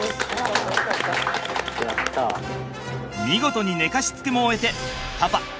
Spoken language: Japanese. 見事に寝かしつけも終えてパパ